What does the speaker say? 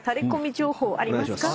情報ありますか？